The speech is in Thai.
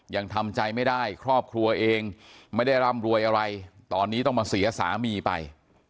ยังทำใจไม่ได้ครอบครัวเองไม่ได้ร่ำรวยอะไรตอนนี้ต้องมาเสียสามีไป